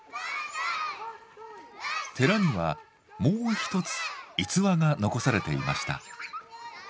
寺にはもう一つ逸話が残されていました。